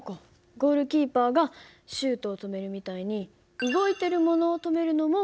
ゴールキーパーがシュートを止めるみたいに動いているものを止めるのも力か。